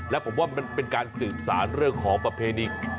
แล้วผมว่ามันเป็นการสืบสารเรื่องของประเพณี